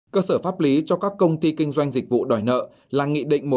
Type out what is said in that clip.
cơ sở pháp lý cho các công ty kinh doanh dịch vụ đòi nợ là nghị định một trăm linh bốn hai nghìn